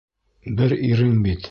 Бер ирең бит...